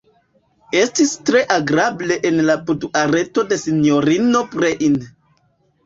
Estis tre agrable en la buduareto de sinjorino Breine.